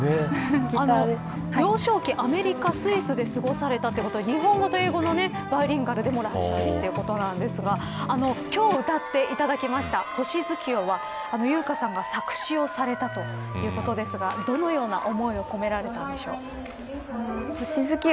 幼少期、アメリカ、スイスで過ごされたということで日本語と英語のバイリンガルでもいらっしゃるということなんですが今日歌っていただいた星月夜は由薫さんが作詞をされたということですがどのような思いを込められたんでしょうか。